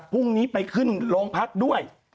พรุ่งนี้ไปขึ้นโรงพักด้วย